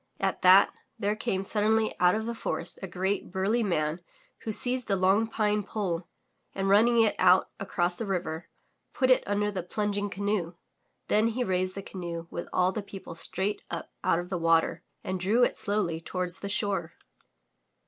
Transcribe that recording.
At that, there came suddenly out of the forest a great, burly man who seized a long pine pole and running it out across the river, put it under the plunging canoe. Then he raised the canoe with all the people straight up out of the water and drew it slowly toward the shore.